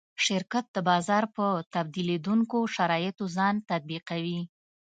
شرکت د بازار په بدلېدونکو شرایطو ځان تطبیقوي.